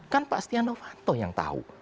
kan pak stiano fanto yang tahu